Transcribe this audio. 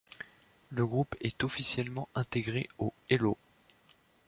Le groupe est officiellement intégrée au Hello!